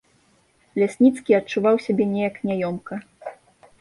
Лясніцкі адчуваў сябе неяк няёмка.